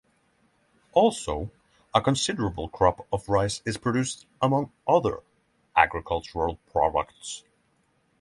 Also a considerable crop of rice is produced among other agricultural products.